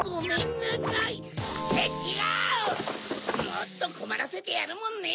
もっとこまらせてやるもんね！